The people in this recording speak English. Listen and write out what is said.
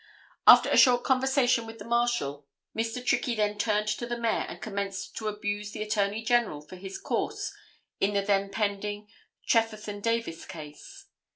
After the short conversation with the Marshal, Mr. Trickey then turned to the Mayor and commenced to abuse the Attorney General for his course in the then pending Trefethen Davis case.